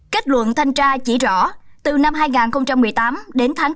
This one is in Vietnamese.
kết luận thanh tra chỉ rõ từ năm hai nghìn một mươi tám đến tháng một mươi